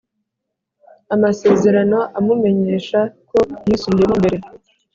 amasezerano amumenyesha ko yisubiyeho mbere